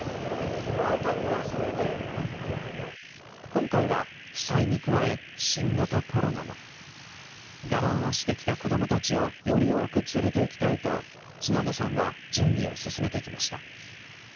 今回は、被災に加え新型コロナも。我慢をしてきた子どもたちをより多く連れていきたいと、角田さんは準備を進めてきました。